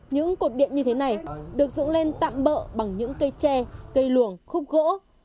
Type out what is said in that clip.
những cột điện như thế này được dựng lên tạm bỡ bằng những cây tre cây luồng khúc gỗ